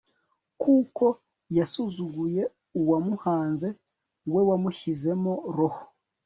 kuko yasuzuguye uwamuhanze, we wamushyizemo roho